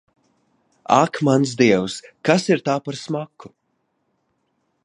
Ak, mans Dievs, kas ir tā, par smaku?